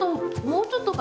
もうちょっと？